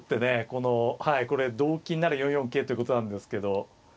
このはいこれ同金なら４四桂ということなんですけど。